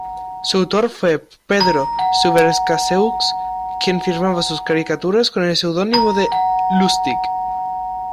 Su autor fue Pedro Subercaseaux, quien firmaba sus caricaturas con el seudónimo de "Lustig".